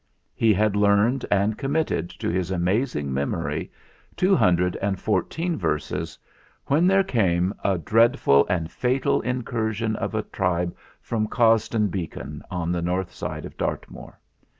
He had learned and committed to his amazing memory two hundred and fourteen verses when there came a dread ful and fatal incursion of a tribe from Cosdon Beacon, on the north side of Dartmoor.